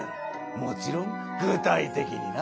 もちろん具体的にな。